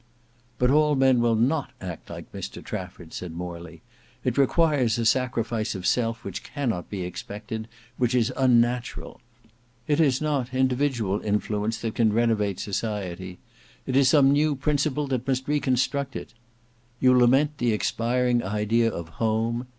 "But all men will not act like Mr Trafford," said Morley. "It requires a sacrifice of self which cannot be expected, which is unnatural. It is not individual influence that can renovate society: it is some new principle that must reconstruct it. You lament the expiring idea of Home.